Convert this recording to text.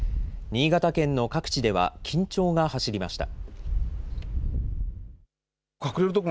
新潟県の各地では緊張が走りました。